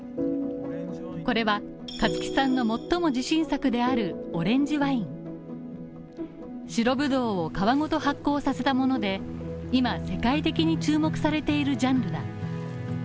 これは香月さんの最も自信作であるオレンジワイン白ブドウを皮ごと発酵させたもので、今、世界的に注目されているジャンルだ。